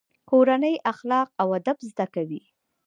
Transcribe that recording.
کورنۍ اخلاق او ادب زده کوي.